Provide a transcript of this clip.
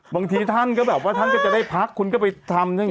บางทีท่านก็แบบว่าท่านก็จะได้พักคุณก็ไปทำ